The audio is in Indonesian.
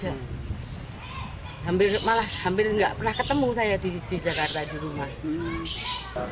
hampir malah hampir nggak pernah ketemu saya di jakarta di rumah